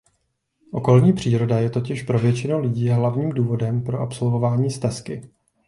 Okolní příroda je totiž pro většinu lidí hlavním důvodem pro absolvování stezky.